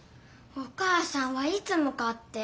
お母さんはいつもかって。